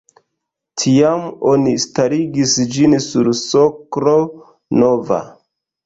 Tiam oni starigis ĝin sur soklo nova.